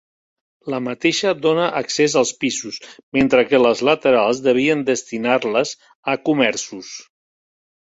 La mateixa dóna accés als pisos, mentre que les laterals devien destinar-les a comerços.